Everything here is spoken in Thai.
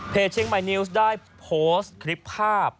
เชียงใหม่นิวส์ได้โพสต์คลิปภาพ